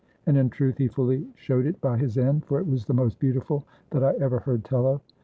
And in truth he fully showed it by his end, for it was the most beautiful that I ever heard tell of."